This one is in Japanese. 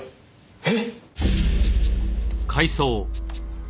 えっ！？